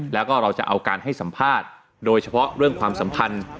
แล้วก็เราจะเอาการให้สัมภาษณ์โดยเฉพาะเรื่องความสัมพันธ์